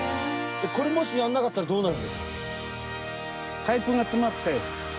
もしやらなかったらどうなるんですか？